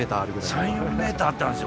３４ｍあったんですよ。